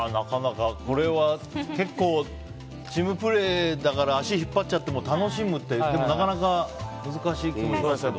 これは結構チームプレーだから足引っ張っちゃっても楽しむってでもなかなか難しい気がしますが。